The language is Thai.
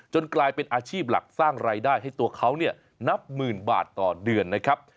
กลายเป็นอาชีพหลักสร้างรายได้ให้ตัวเขาเนี่ยนับหมื่นบาทต่อเดือนนะครับ